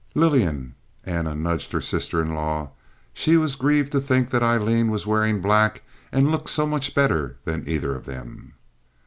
"Lillian!" Anna nudged her sister in law. She was grieved to think that Aileen was wearing black and looked so much better than either of them.